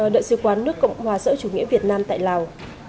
đại sứ quán nước cộng hòa sợi chủ nghĩa việt nam tại lào